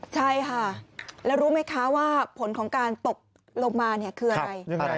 ใช่ค่ะแล้วรู้ไหมคะว่าผลของการตกลงมาคืออะไร